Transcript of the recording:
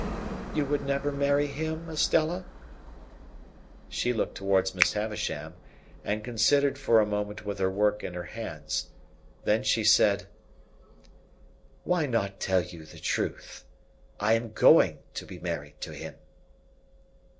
"You would never marry him, Estella?" She looked towards Miss Havisham, and considered for a moment with her work in her hands. Then she said, "Why not tell you the truth? I am going to be married to him."